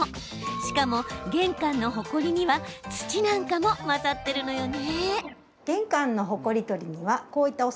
しかも、玄関のほこりには土なんかも混ざっているのよね。